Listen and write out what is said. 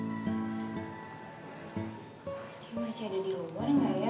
aduh masih ada di luar yang engga ya